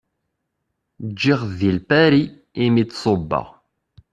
Ǧǧiɣ di Lpari i mi d-ṣubbeɣ.